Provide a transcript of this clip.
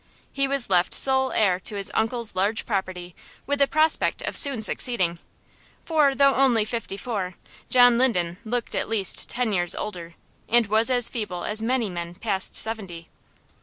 He was left sole heir to his uncle's large property with the prospect of soon succeeding, for though only fifty four, John Linden looked at least ten years older, and was as feeble as many men past seventy.